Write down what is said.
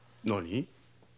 何？